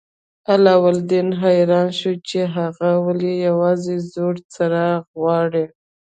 علاوالدین حیران شو چې هغه ولې یوازې زوړ څراغ غواړي.